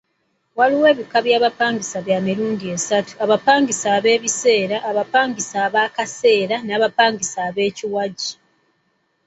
Waliwo ebika by'obupangisa bya mirundi esatu; abapangisa ab'ekiseera, abapangisa ab'akaseera n'abapangisa bakiwagi.